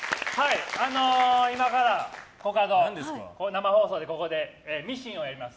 今からコカド、生放送でここでミシンをやります。